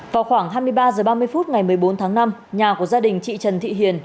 vào khoảng hai mươi ba h ba mươi phút ngày một mươi bốn tháng năm nhà của gia đình chị trần thị hiền